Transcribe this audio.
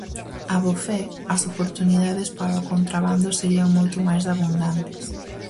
Abofé, as oportunidades para o contrabando serían moito máis abundantes.